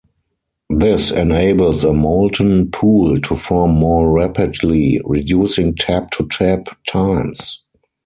This enables a molten pool to form more rapidly, reducing tap-to-tap times.